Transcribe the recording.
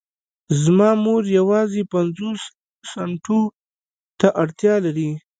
زما مور يوازې پنځوسو سنټو ته اړتيا لري.